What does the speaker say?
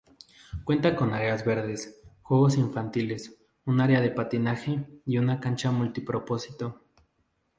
Cuenta con áreas verdes, juegos infantiles, un área de patinaje y una cancha multipropósito.